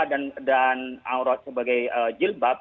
dan aurat sebagai jilbab